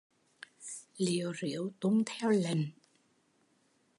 Líu ríu tuân theo lệnh